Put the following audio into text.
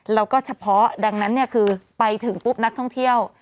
แล้วก็เฉพาะดังนั้นคือไปถึงปุ๊บนักท่องเที่ยว